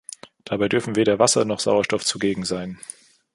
Dabei dürfen weder Wasser noch Sauerstoff zugegen sein.